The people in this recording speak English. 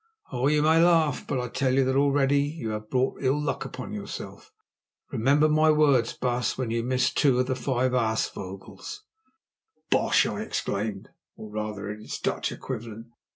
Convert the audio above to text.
Oh! you may laugh, but I tell you that already you have brought ill luck upon yourself. Remember my words, baas, when you miss two of the five aasvogels." "Bosh!" I exclaimed, or, rather, its Dutch equivalent.